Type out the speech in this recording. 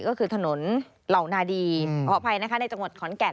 ก็คือถนนเหล่านาดีขออภัยนะคะในจังหวัดขอนแก่น